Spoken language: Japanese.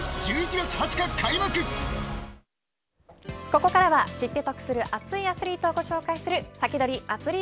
ここからは、知って得する熱いアスリートをご紹介するサキドリ！